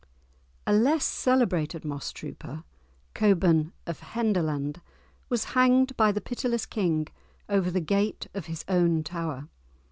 A less celebrated moss trooper, Cockburne of Henderland, was hanged by the pitiless King over the gate of his own tower.